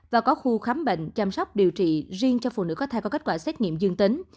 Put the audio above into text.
và có khu khám bệnh chăm sóc điều trị riêng cho phụ nữ có thai có kết quả xét nghiệm dương tính